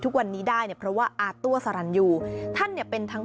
ทุกวันนี้ได้เนี่ยเพราะว่าอาตั้วสรรยูท่านเนี่ยเป็นทั้ง